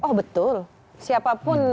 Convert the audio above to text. oh betul siapapun